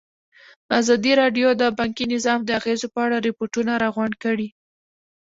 ازادي راډیو د بانکي نظام د اغېزو په اړه ریپوټونه راغونډ کړي.